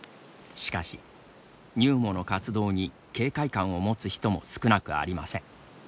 しかし、ＮＵＭＯの活動に警戒感を持つ人も少なくありません。